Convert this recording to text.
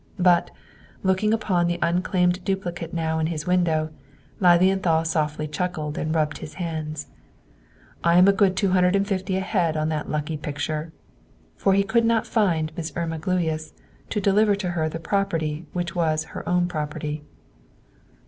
But, looking upon the unclaimed duplicate now in his window, Lilienthal softly chuckled and rubbed his hands. "I am a good two hundred and fifty ahead on that lucky picture." For he could not find Miss Irma Gluyas to deliver to her the property which was her own property.